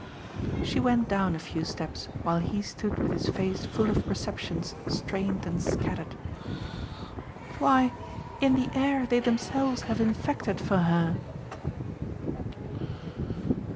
She went down a few steps while he stood with his face full of perceptions strained and scattered. "Why in the air they themselves have infected for her!"